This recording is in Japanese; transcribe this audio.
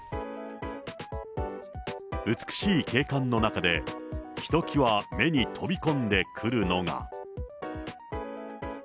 美しい景観の中でひときわ目に飛び込んでくるのが。